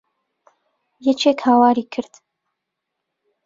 یەکێک هاواری کرد.